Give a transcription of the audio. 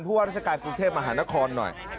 ปฏิบันทรัฐราชกายกรุงเทพมหานครหน่อย